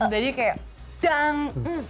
jadi kayak dang